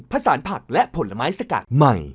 สารผักและผลไม้สกัดใหม่